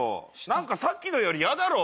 何かさっきのよりやだろ。